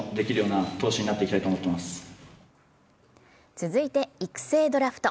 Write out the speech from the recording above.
続いて育成ドラフト。